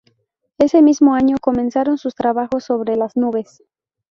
Ese mismo año comenzaron sus trabajos sobre las nubes.